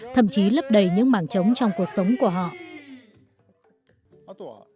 thậm chí lấp đầy những mảng trống trong cuộc sống của họ